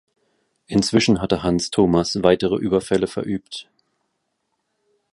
Inzwischen hatte Hans Thomas weitere Überfälle verübt.